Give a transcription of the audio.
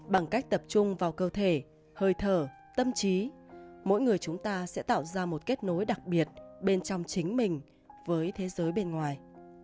bằng cách tập trung vào cơ thể hơi thở tâm trí mỗi người chúng ta sẽ tạo ra một kết nối đặc biệt bên trong chính mình với thế giới bên ngoài